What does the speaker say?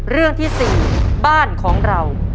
เรื่องที่๔บ้านของเรา